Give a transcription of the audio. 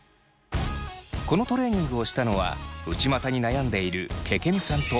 このトレーニングをしたのは内股に悩んでいるけけみさんとレモンさん。